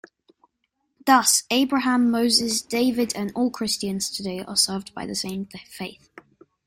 Thus, Abraham, Moses, David, and all Christians today are saved by the same faith.